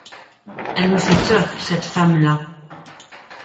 Elle me fait peur, cette femme-là.